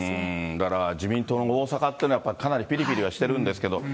だから自民党の大阪っていうのは、かなりぴりぴりはしてるんですけれども。